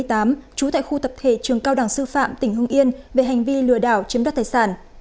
trú tại khu tập thể trường cao đẳng sư phạm tỉnh hưng yên về hành vi lừa đảo chiếm đoạt tài sản